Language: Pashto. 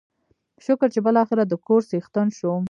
شکر چې بلاخره دکور څښتن شوم.